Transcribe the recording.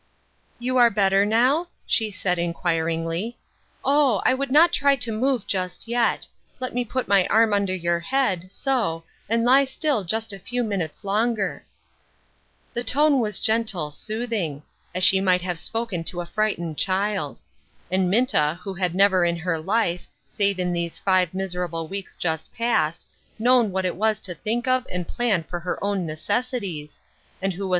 " You are better now ?" she said inquiringly. " Oh ! I would not try to move just yet ; let me put my arm under your head, so, and lie still just a few minutes longer." The tone was gentle, soothing ; as she might have spoken to a frightened child. And Minta, who had never in her life, save in these five miser able weeks just past, known what it was to think of and plan for her own necessities ; and who was 320 UNDER GUIDANCE.